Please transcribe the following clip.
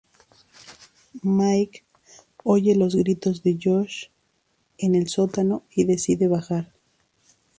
Mike oye los gritos de Josh en el sótano y decide bajar.